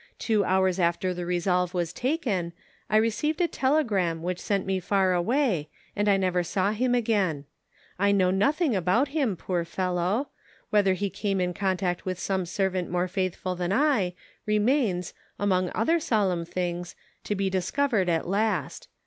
Two hours after the resolve was taken, I received a telegram which sent me far away, and I never saw him again. I know nothing about him, poor fellow ; whether he came in contact with some servant more faithful than I, remains. 266 "IN HIS NAME." among other solemn things, to be discovered at last.